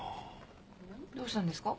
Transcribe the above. どうしたんですか？